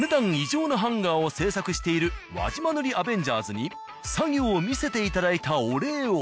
ハンガーを製作している輪島塗アベンジャーズに作業を見せていただいたお礼を。